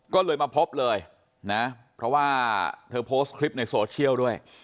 ก็เลยมาพบเลยนะเพราะว่าเธอโพสต์คลิปในโซเชียลด้วย